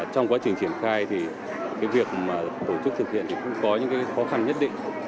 trong quá trình triển khai thì cái việc mà tổ chức thực hiện thì cũng có những cái khó khăn nhất định